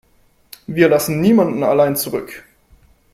Wir lassen niemanden allein zurück.